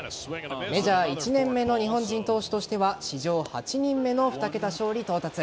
メジャー１年目の日本人投手としては史上８人目の２桁勝利到達。